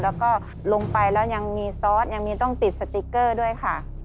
แล้วก็ลงไปแล้วยังมีซอสยังมีต้องติดสติ๊กเกอร์ด้วยค่ะ